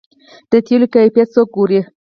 د تیلو کیفیت څوک ګوري؟